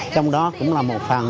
trong đó cũng là một phần